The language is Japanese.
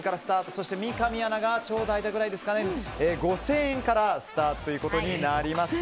そして、三上アナが間くらい５０００円からスタートとなりました。